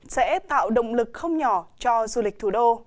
sẽ tạo động lực không nhỏ cho du lịch thủ đô